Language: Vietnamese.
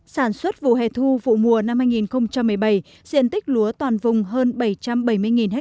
sản xuất vụ hè thu vụ mùa năm hai nghìn một mươi bảy diện tích lúa toàn vùng hơn bảy trăm bảy mươi ha